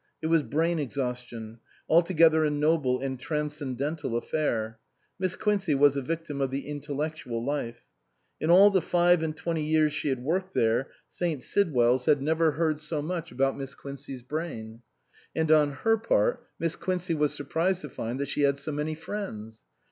It was brain exhaustion ; altogether a noble and transcendental affair ; Miss Quincey was a victim of the intellectual life. In all the five and twenty years she had worked there St. SidwelTs had T.S.Q. 241 B SUPERSEDED never heard so much about Miss Quincey's brain. And on her part Miss Quincey was surprised to find that she had so many friends.